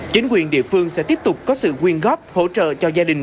chính quyền địa phương sẽ tiếp tục có sự quyên góp hỗ trợ cho gia đình